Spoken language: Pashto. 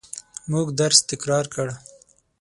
موږ درس تکرار کړ.